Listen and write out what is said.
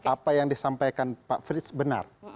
apa yang disampaikan pak frits benar